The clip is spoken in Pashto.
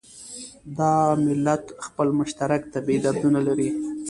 دا ملت خپل مشترک طبعي دردونه لري.